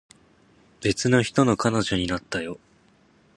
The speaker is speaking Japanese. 別の人の彼女になったよ